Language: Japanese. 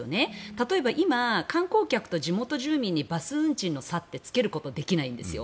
例えば、今、観光客と地元住民にバス運賃の差ってつけること、できないんですよ。